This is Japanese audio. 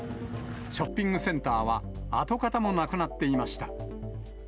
ショッピングセンターは、あとかたもなくなっていました。